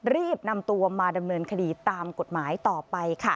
รีบนำตัวมาดำเนินคดีตามกฎหมายต่อไปค่ะ